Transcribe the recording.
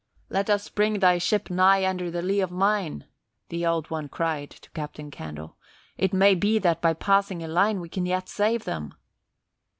"Let us bring thy ship nigh under the lee of mine," the Old One cried to Captain Candle. "It may be that by passing a line we can yet save them."